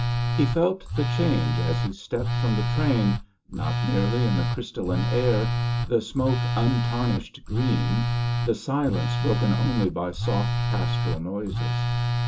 He felt the change as he stepped from the train, not merely in the crystalline air, the smoke untarnished green, the silence broken only by soft pastoral noises.